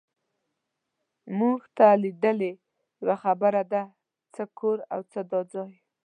مونږ ته لیدې، یوه خبره ده، څه کور او څه دا ځای.